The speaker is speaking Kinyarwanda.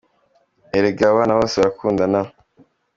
Erega abana bose barakundana.